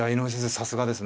さすがですね。